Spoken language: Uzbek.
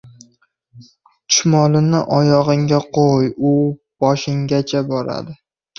• Chumolini oyog‘ingga qo‘y, u boshinggacha boradi.